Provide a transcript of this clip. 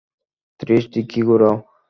ত্রিশ ডিগ্রী ঘোরাও।